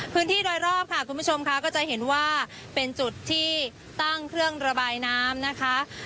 พื้นที่โดยรอบค่ะคุณผู้ชมค่ะก็จะเห็นว่าเป็นจุดที่ตั้งเครื่องระบายน้ำนะคะ